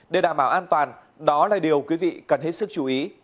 để đảm bảo an toàn đó là điều quý vị cần hết sức chú ý